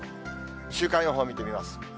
週間予報を見てみます。